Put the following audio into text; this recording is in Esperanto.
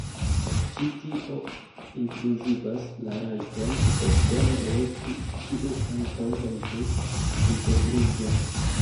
Ĉi tio inkluzivas la rajton voĉdone elekti, kiu ankaŭ helpus integriĝon.